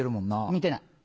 見てない。